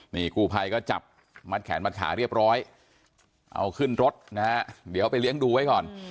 นี่กูภัยก็จับมัดแขนมัดขาเรียบร้อยเอาขึ้นรถนะฮะเดี๋ยวไปเลี้ยงดูไว้ก่อน